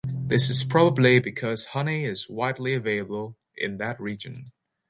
This is probably because honey is widely available in that region.